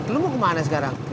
lo mau kemana sekarang